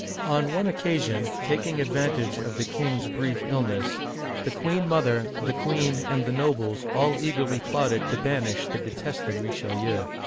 On one occasion, taking advantage of the king's brief ill ness, the queen mother, the queen, and the nobles, all eagerly plotted to banish the detested Richelieu.